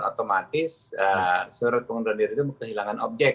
otomatis surat pengunduran diri itu kehilangan objek